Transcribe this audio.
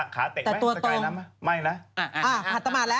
ขัดสมาธิแล้ว